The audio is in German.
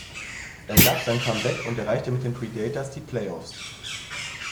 Er gab sein Comeback und erreichte mit den Predators die Playoffs.